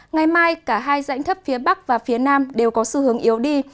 ngày mai cả hai giãnh thấp phía bắc và phía nam đều có sư hướng yếu đi